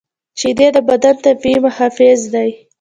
شیدې د بدن طبیعي محافظ دي